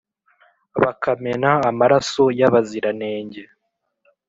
bakamena amaraso y’abaziranenge